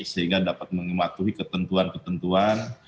sehingga dapat mengematuhi ketentuan ketentuan